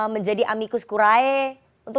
menjadi amicus curae untuk